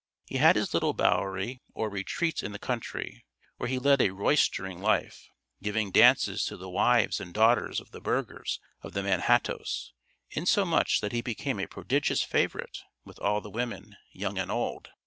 He had his little bowery, or retreat in the country, where he led a roystering life, giving dances to the wives and daughters of the burghers of the Manhattoes, insomuch that he became a prodigious favorite with all the women, young and old.